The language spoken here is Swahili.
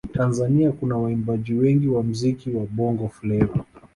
Tanzania kuna waimbaji wengi wa muziki wa bongo fleva